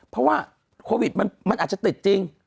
เพราะว่าโควิดมันอาจจะติดจริง